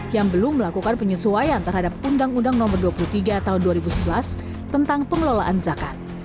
yang belum melakukan penyesuaian terhadap undang undang no dua puluh tiga tahun dua ribu sebelas tentang pengelolaan zakat